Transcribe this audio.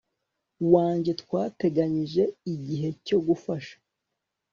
wanjye twateganyije igihe cyo gufasha